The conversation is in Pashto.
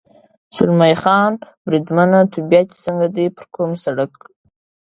زلمی خان: بریدمنه، طبیعت دې څنګه دی؟ پر کوم سړک.